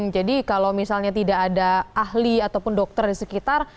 jadi kalau misalnya tidak ada ahli ataupun dokter di sekitar